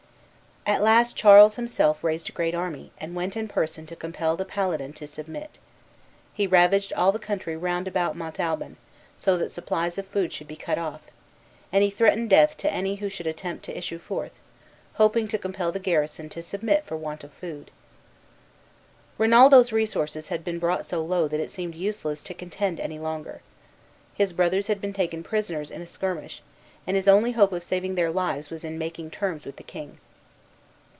At last Charles himself raised a great army, and went in person to compel the paladin to submit. He ravaged all the country round about Montalban, so that supplies of food should be cut off, and he threatened death to any who should attempt to issue forth, hoping to compel the garrison to submit for want of food. Rinaldo's resources had been brought so low that it seemed useless to contend any longer. His brothers had been taken prisoners in a skirmish, and his only hope of saving their lives was in making terms with the king.